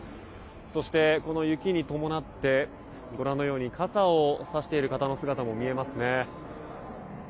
そして、この雪に伴って傘をさしている方の姿も見えますね。